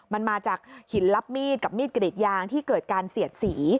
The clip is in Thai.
มันมาจากหินลับมีดกับมีดกรีดยางที่เกิดการเสียดสี